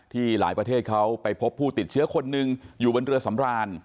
หลายประเทศเขาไปพบผู้ติดเชื้อคนหนึ่งอยู่บนเรือสำราน